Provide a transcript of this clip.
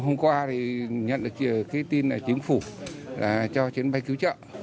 từ hôm qua nhận được tin chính phủ cho chuyến bay cứu trợ